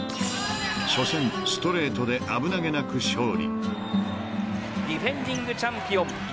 ［初戦ストレートで危なげなく勝利］